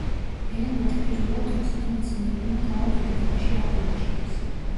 ელემენტი პირველად რუსმა მეცნიერებმა ქალაქ დუბნაში აღმოაჩინეს.